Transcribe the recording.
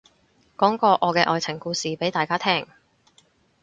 講個我嘅愛情故事俾大家聽